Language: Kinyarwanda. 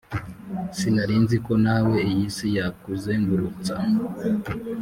Sinarinziko nawe iy’isi yakuzengurutsa